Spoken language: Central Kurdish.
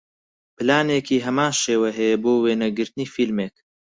پلانێکی هەمان شێوە هەیە بۆ وێنەگرتنی فیلمێک